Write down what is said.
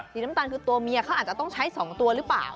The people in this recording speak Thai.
สีน้ำตาลคือตัวเมียเขาอาจจะต้องใช้๒ตัวหรือเปล่า